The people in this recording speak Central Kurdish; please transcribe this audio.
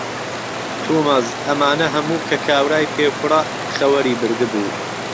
تومەز ئەمانە هەموو کە کاورای پێکوڕە خەوەری بردبوو،